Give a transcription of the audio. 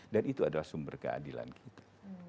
dan itu adalah sumber keadilan kita